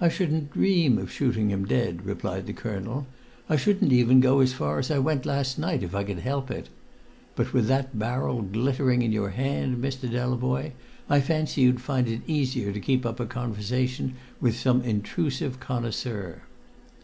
"I shouldn't dream of shooting him dead," replied the colonel. "I shouldn't even go as far as I went last night, if I could help it. But with that barrel glittering in your hand, Mr. Delavoye, I fancy you'd find it easier to keep up a conversation with some intrusive connoisseur."